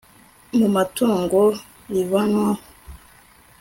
mu matungo rivanwaho